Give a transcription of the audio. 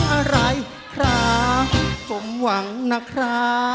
อะไรก็ขาสมหวังนะคะ